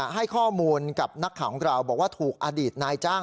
ให้ข้อมูลกับนักข่าวของเราบอกว่าถูกอดีตนายจ้าง